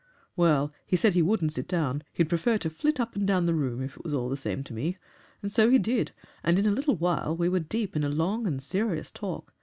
"Well, he said he wouldn't sit down! he'd prefer to flit up and down the room if it was all the same to me. And so he did, and in a little while we were deep in a long and serious talk.